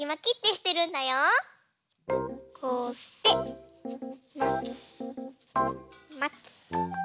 こうしてまきまき。